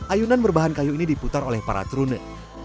ayunan berbahan kayu ini diputar oleh para trunei